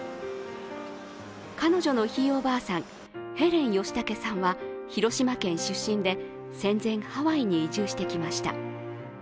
彼女のひいおばあさん、ヘレン・ヨシタケさんは広島県出身で戦前、ハワイに移住してきました。